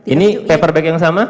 ini paperback yang sama